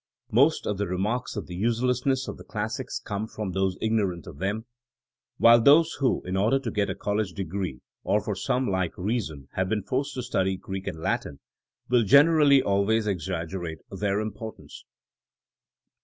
Most of the remarks on the uselessness of the classics come from those ignorant of them ; while those who, in or der to get a college degree or for some like reason, have been forced to study Greek and Latin, will generally always exaggerate their importance.